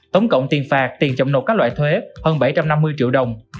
tổng cộng tiền phạt tiền chậm nộp các loại thuế hơn bảy trăm năm mươi triệu đồng